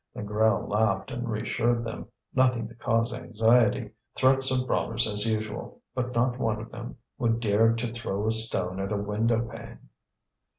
Négrel laughed and reassured them: nothing to cause anxiety, threats of brawlers as usual, but not one of them would dare to throw a stone at a window pane.